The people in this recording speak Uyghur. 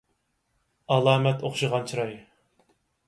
ئالامەت ئوخشىغان چىراي.